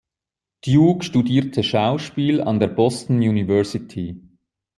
Duke studierte Schauspiel an der Boston University.